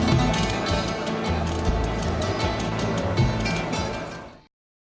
berdoa bersikir membaca al quran dan melakukan ibadah lainnya hingga matahari tergelap